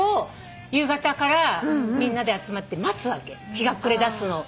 日が暮れだすのを。